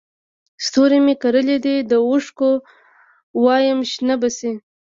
ستوري مې کرلي دي د اوښکو وایم شنه به شي